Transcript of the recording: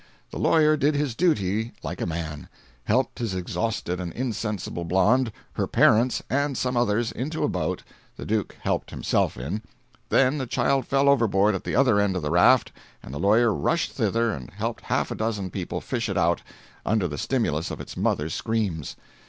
The lawyer did his duty like a man; helped his exhausted and insensible blonde, her parents and some others into a boat (the Duke helped himself in); then a child fell overboard at the other end of the raft and the lawyer rushed thither and helped half a dozen people fish it out, under the stimulus of its mother's screams.